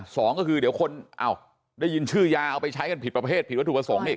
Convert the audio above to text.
สองก็คือเดี๋ยวคนได้ยินชื่อยาเอาไปใช้กันผิดประเภทผิดวัตถุประสงค์อีก